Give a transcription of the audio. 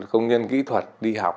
công nhân kỹ thuật đi học